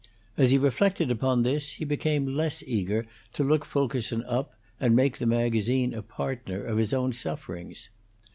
As he reflected upon this he became less eager to look Fulkerson up and make the magazine a partner of his own sufferings.